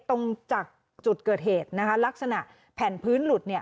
ตรงจากจุดเกิดเหตุลักษณะแผ่นพื้นหลุด